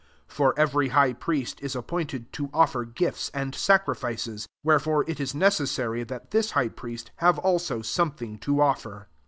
S For every high priest is appointed to offer gifts and sacrifices: wherefore it ia necessary that this High'firieat have also some thing to offer.